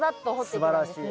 すばらしい。